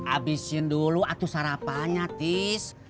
abisin dulu atuh sarapannya tis